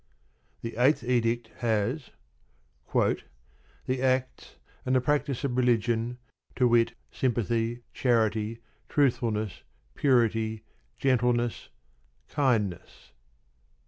The Eighth Edict has: The acts and the practice of religion, to wit, sympathy, charity, truthfulness, purity, gentleness, kindness.